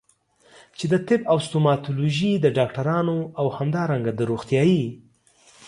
چې د طب او ستوماتولوژي د ډاکټرانو او همدارنګه د روغتيايي